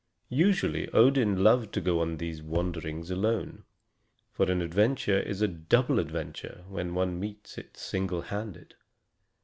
Usually Odin loved to go upon these wanderings alone; for an adventure is a double adventure when one meets it single handed.